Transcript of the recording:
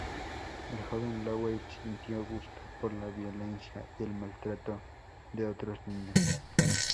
De joven, Lowell sintió gusto por la violencia y el maltrato de otros niños.